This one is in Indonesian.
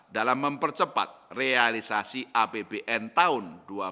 dalam mempercepat realisasi apbn tahun dua ribu dua puluh